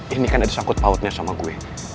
ini kan ada sangkut pautnya sama gue